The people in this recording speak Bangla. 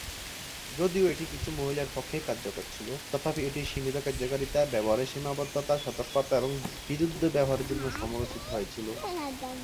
যদিও এটি কিছু মহিলার পক্ষে কার্যকর ছিল, তথাপি এটির সীমিত কার্যকারিতা, ব্যবহারের সীমাবদ্ধতা, সতর্কতা এবং বিরুদ্ধ ব্যবহারের জন্য সমালোচিত হয়েছিল।